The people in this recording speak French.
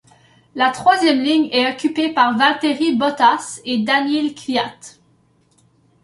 La troisième ligne est occupée par Valtteri Bottas et Daniil Kvyat.